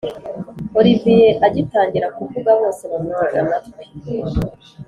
olivier agitangira kuvuga bose bamutega amatwi